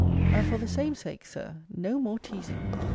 ] And for the same sake, Sir, no more teasing.